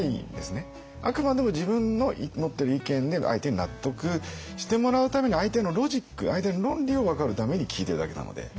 あくまでも自分の持ってる意見で相手に納得してもらうために相手のロジック相手の論理を分かるために聞いてるだけなので。